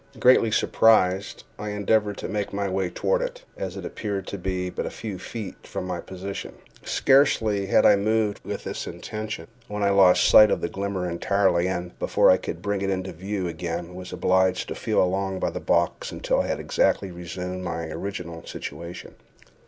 Greatly surprised, I endeavored to make my way toward it, as it appeared to be but a few feet from my position. Scarcely had I moved with this intention, when I lost sight of the glimmer entirely, and, before I could bring it into view again, was obliged to feel along by the box until I had exactly resumed my original situation.